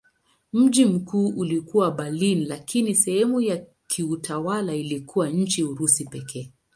Mji mkuu ulikuwa Berlin lakini sehemu ya kiutawala iliyokuwa chini ya Urusi pekee.